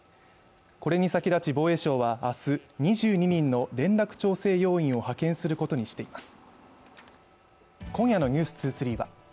これに先立ち防衛省はあす２２人の連絡調整要員を派遣することにしています